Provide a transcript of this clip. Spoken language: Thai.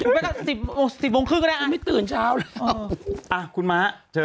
เวลา๑๐โมงครึ่งก็ได้ไม่ตื่นเช้าอ่ะคุณม้าเชิญ